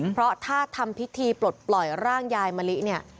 เพราะถ้าทำพิธีปลดปล่อยร่างยายมะลิเนี่ย